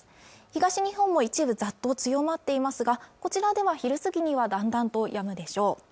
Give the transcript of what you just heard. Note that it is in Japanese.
東日本も一部ざっと強まっていますがこちらでは昼過ぎにはだんだんとやむでしょう